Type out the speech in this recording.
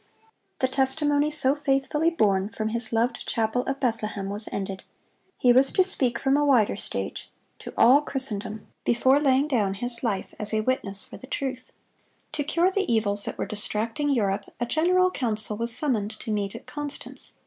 The testimony so faithfully borne from his loved chapel of Bethlehem was ended. He was to speak from a wider stage, to all Christendom, before laying down his life as a witness for the truth. To cure the evils that were distracting Europe, a general council was summoned to meet at Constance.